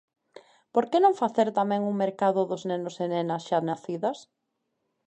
Por que non facer tamén un mercado dos nenos e nenas xa nacidas?